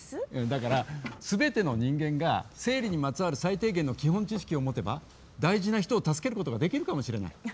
だから、全ての人間が生理にまつわる最低限の基本知識を持てば大事な人を助けることができるかもしれない。